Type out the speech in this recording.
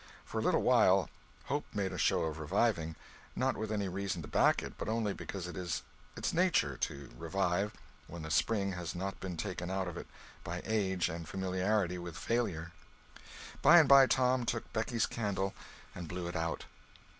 For a little while, hope made a show of reviving—not with any reason to back it, but only because it is its nature to revive when the spring has not been taken out of it by age and familiarity with failure. By and by Tom took Becky's candle and blew it out.